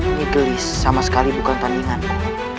ini gelis sama sekali bukan tandinganku